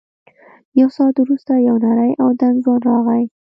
یو ساعت وروسته یو نری او دنګ ځوان راغی.